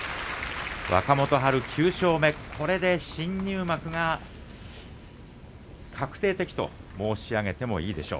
若元春は９勝目これで新入幕が確定的と申し上げてもいいでしょう。